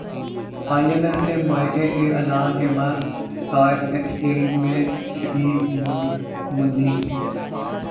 ائی M F سے معاہدے کے اعلان کے بعد اسٹاک ایکسچینج میں شدید مندی